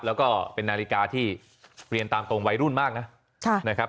แล้วก็เป็นนาฬิกาที่เรียนตามตรงวัยรุ่นมากนะครับ